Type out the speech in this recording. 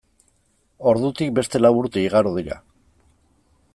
Ordutik beste lau urte igaro dira.